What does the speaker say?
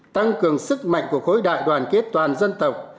tăng cường sức mạnh của khối đại đoàn kết toàn dân tộc